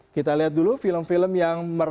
kita lihat dulu film film yang merupakan